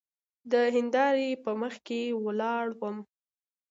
د هندارې په مخکې ولاړ وم.